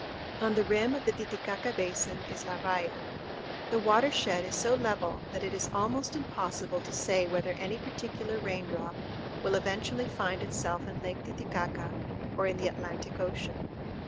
On the rim of the Titicaca Basin is La Raya. The watershed is so level that it is almost impossible to say whether any particular raindrop will eventually find itself in Lake Titicaca or in the Atlantic Ocean.